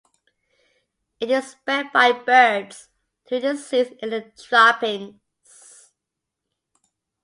It is spread by birds, through the seeds in their droppings.